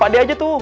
pak deh aja tuh